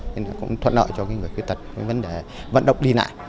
nên cũng thuận nợ cho người khuyết tật vấn đề vận động đi lại